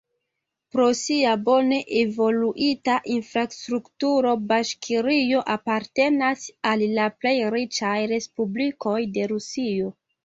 Pro sia bone evoluinta infrastrukturo Baŝkirio apartenas al la plej riĉaj respublikoj de Rusio.